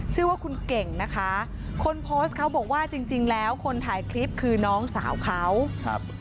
ชื่อว่าคุณเก่งนะคะคนโพสต์เขาบอกว่าจริงจริงแล้วคนถ่ายคลิปคือน้องสาวเขาครับ